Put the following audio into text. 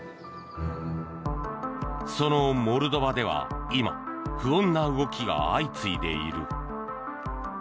そのモルドバでは今不穏な動きが相次いでいる。